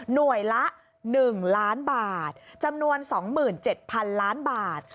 หน่วยละ๑ล้านบาทจำนวน๒๗๐๐๐ล้านบาท